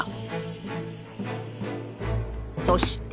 そして。